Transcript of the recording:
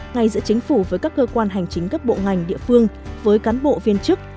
ngay giữa chính phủ với các cơ quan hành chính gấp bộ ngành địa phương với cán bộ viên chức